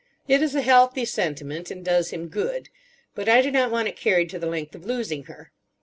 It is a healthy sentiment, and does him good. But I do not want it carried to the length of losing her.